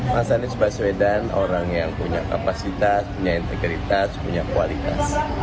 mas anies baswedan orang yang punya kapasitas punya integritas punya kualitas